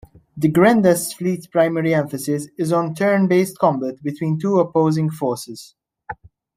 The Grandest Fleet's primary emphasis is on turn based combat between two opposing forces.